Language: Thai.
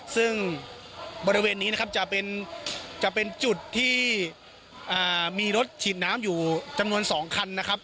ซึ่งบริเวณนี้นะครับจะเป็นจุดที่มีรถฉีดน้ำอยู่จำนวน๒คันนะครับ